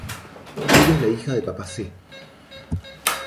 Ella es la hija de "Papá C".